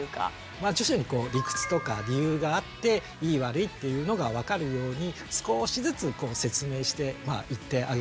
徐々にこう理屈とか理由があっていい悪いっていうのが分かるように少しずつ説明していってあげるといいかなっていうふうに思います。